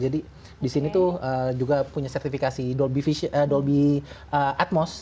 jadi di sini tuh juga punya sertifikasi dolby atmos